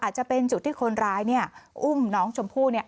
อาจจะเป็นจุดที่คนร้ายเนี่ยอุ้มน้องชมพู่เนี่ย